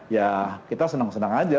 ya kita senang senang aja